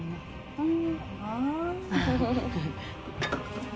うん。